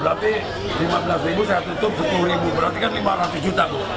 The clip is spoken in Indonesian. berarti lima belas ribu saya tutup sepuluh ribu berarti kan lima ratus juta bu